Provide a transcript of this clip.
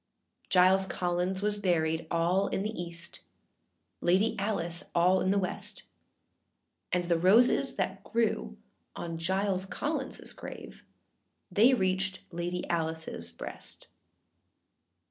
â Giles Collins was buried all in the east, Lady Alice all in the west; And the roses that grew on Giles Collinsâs grave, They reached Lady Aliceâs breast.